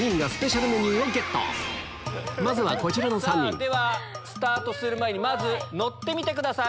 まずはこちらの３人スタート前に乗ってみてください。